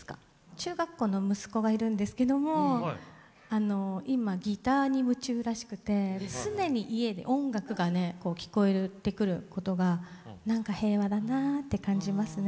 中学校の息子がいるんですけども今ギターに夢中らしくて常に家で音楽がね聞こえてくることが何か平和だなあって感じますね。